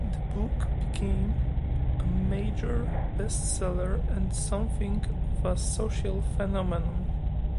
The book became a major best-seller and something of a social phenomenon.